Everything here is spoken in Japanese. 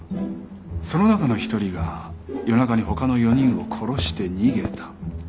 その中の１人が夜中に他の４人を殺して逃げた。